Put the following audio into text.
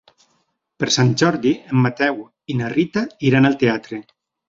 Per Sant Jordi en Mateu i na Rita iran al teatre.